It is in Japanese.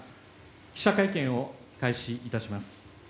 記者会見を開始いたします。